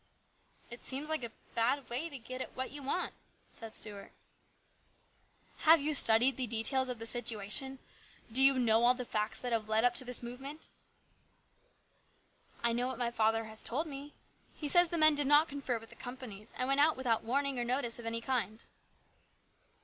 " It seems like a bad way to get at what you want," said Stuart. " Have you studied the details of the situation ? Do you know all the facts which have led up to this movement ?"" I know what my father has told me. He says the men did not confer with the companies, and went out without warning or notice of any kind."